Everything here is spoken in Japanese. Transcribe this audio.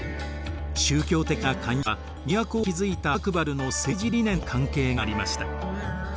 宗教的な寛容さは都を築いたアクバルの政治理念と関係がありました。